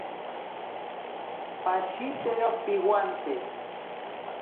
Pashitero piwante.